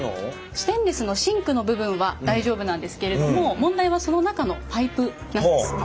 ステンレスのシンクの部分は大丈夫なんですけれども問題はその中のパイプなんです。